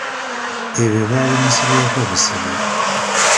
Ebyo babimusibyeko busibi.